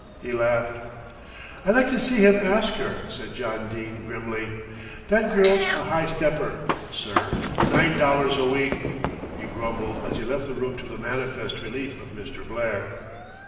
he laughed. "I'd like to see him ask her," said John Dene grimly. "That girl's a high stepper, sir. Nine dollars a week!" he grumbled as he left the room to the manifest relief of Mr. Blair.